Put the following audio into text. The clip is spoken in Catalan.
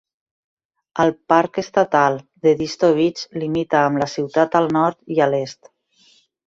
El parc estatal d'Edisto Beach limita amb la ciutat al nord i a l'est.